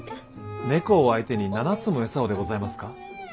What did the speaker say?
猫を相手に７つも餌をでございますか。